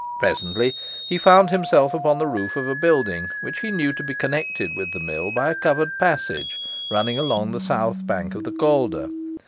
Presently he found himself upon the roof of a building, which he knew to be connected with the mill by a covered passage running along the south bank of the Calder.